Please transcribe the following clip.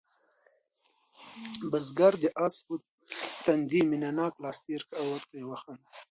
بزګر د آس په تندي مینه ناک لاس تېر کړ او ورته ویې خندل.